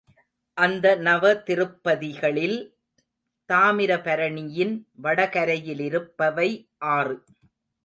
அந்த நவதிருப்பதிகளில் தாமிரபரணியின் வடகரையிலிருப்பவை ஆறு.